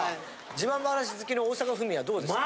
自慢話好きの大阪府民はどうですか？